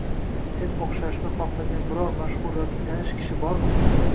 Sen o‘xshashni xohlagan biror mashhur yoki tanish kishi bormi?